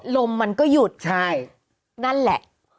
ลมมันก็หยุดใช่นั่นแหละ